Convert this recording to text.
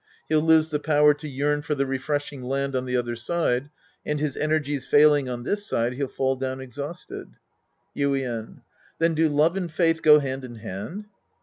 He'll lose the power to yearn for the refreshing land on the other side, and his energies failing on this side, he'll fall down exhausted. Yuien. Then do love and faith go hand in hand